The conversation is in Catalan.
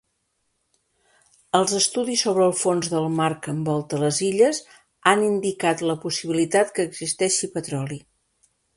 Els estudis sobre el fons del mar que envolta les illes han indicat la possibilitat que existeixi petroli.